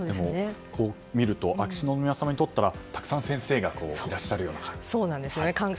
こう見ると秋篠宮さまにとってはたくさん先生がいらっしゃるような感じ。